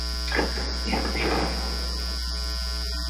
Riewoldt started the season well, with eight goals in his first two matches.